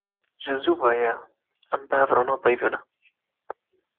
Ji zû ve ye em bi hev re nepeyivîne.